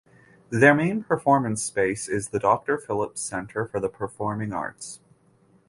Their main performance space is the Doctor Phillips Center for the Performing Arts.